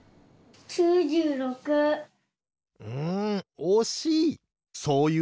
うんおしい！